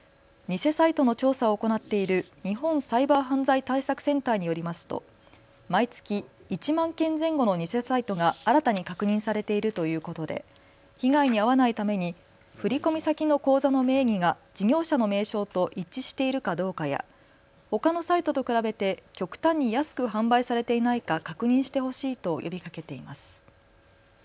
偽サイトの調査を行っている日本サイバー犯罪対策センターによりますと毎月、１万件前後の偽サイトが新たに確認されているということで被害に遭わないために振込先の口座の名義が事業者の名称と一致しているかどうかや、ほかのサイトと比べて極端に安く販売されていないか確認してほしいと呼びかけています。